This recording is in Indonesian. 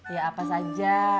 ya apa saja